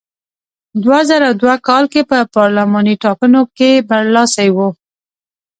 دوه زره دوه کال کې په پارلماني ټاکنو کې برلاسی و.